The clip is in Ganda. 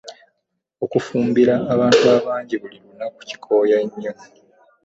Okufumbira abantu abangi buli lunaku kikooya nnyo.